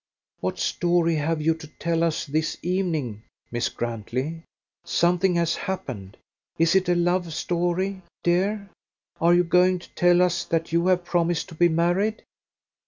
"What story have you to tell us this evening, Miss Grantley? Something has happened. Is it a love story, dear? Are you going to tell us that you have promised to be married?"